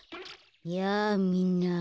やあみんな。